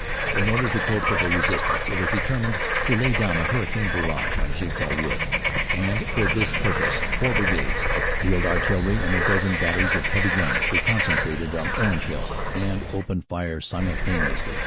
In order to cope with the resistance, it was determined to lay down a hurricane barrage on Jigsaw Wood, and for this purpose four Brigades of Field Artillery and a dozen batteries of heavy guns were concentrated on Orange Hill and opened fire simultaneously.